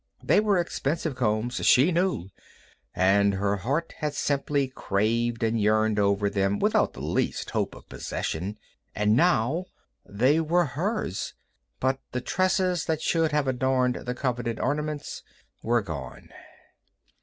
They were expensive combs, she knew, and her heart had simply craved and yearned over them without the least hope of possession. And now, they were hers, but the tresses that should have adorned the coveted adornments were gone.